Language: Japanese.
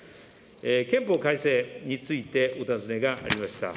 憲法改正について、お尋ねがありました。